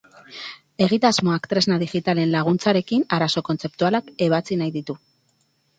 Egitasmoak tresna digitalen laguntzarekin arazo kontzeptualak ebatzi nahi ditu.